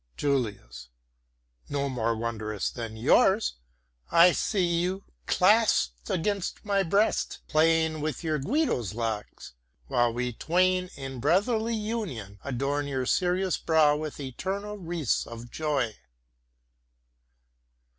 JULIUS No more wondrous than yours. I see you, clasped against my breast, playing with your Guido's locks, while we twain in brotherly union adorn your serious brow with eternal wreaths of joy.